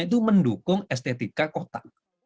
itu mendukung estetika kota